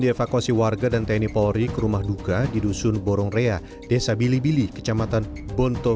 dievakuasi warga dan tni polri ke rumah duka di dusun borongrea desa bili bili kecamatan bonto